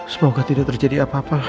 semoga tidak terjadi apa apa